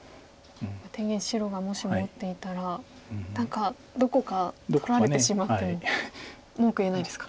天元白がもしも打っていたら何かどこか取られてしまっても文句言えないですか。